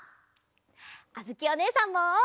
あづきおねえさんも！